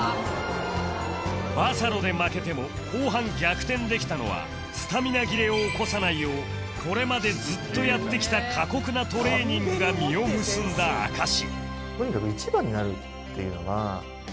バサロで負けても後半逆転できたのはスタミナ切れを起こさないようこれまでずっとやってきた過酷なトレーニングが実を結んだ証し